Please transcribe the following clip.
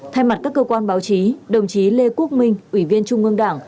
thay mặt các cơ quan báo chí đồng chí lê quốc minh ủy viên trung ương đảng